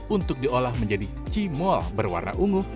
untuk diolah menjadi cimol berwarna ungu